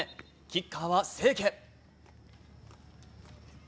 キッカーは清家。